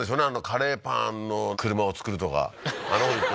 カレーパンの車を作るとかははははっ